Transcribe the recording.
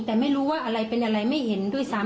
แต่ไม่รู้ว่าอะไรเป็นอะไรไม่เห็นด้วยซ้ำ